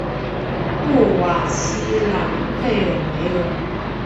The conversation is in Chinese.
布瓦西朗贝尔维尔。